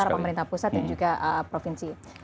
antara pemerintah pusat dan juga provinsi